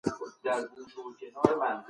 نرمه وینا د غصې اور مړ کوي.